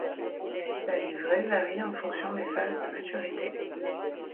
Sa livrée varie en fonction des phases de maturité.